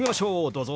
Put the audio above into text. どうぞ。